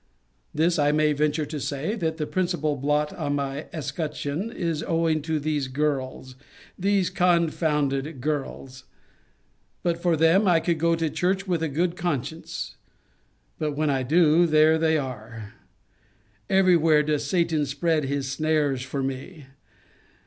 This I may venture to say, that the principal blot in my escutcheon is owing to these girls, these confounded girls. But for them, I could go to church with a good conscience: but when I do, there they are. Every where does Satan spread his snares for me!